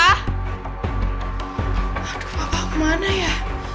aduh papa kemana ya